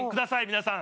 皆さん